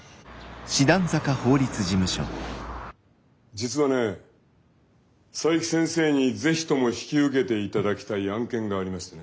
実はね佐伯先生に是非とも引き受けていただきたい案件がありましてね。